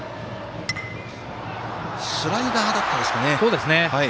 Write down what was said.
スライダーだったですかね。